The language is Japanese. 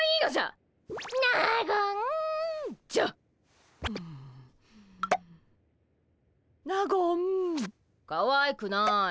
あかわいくない。